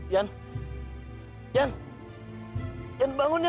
yan yan yan bangun yan